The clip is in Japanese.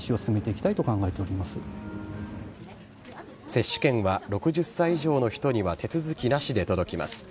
接種券は、６０歳以上の人には手続きなしで届きます。